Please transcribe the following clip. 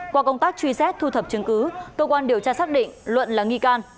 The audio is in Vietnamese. qua công tác truy xét thu thập chứng cứ cơ quan điều tra xác định luận là nghi can